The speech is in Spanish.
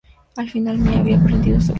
Al final, Mia habia aprendido su lección.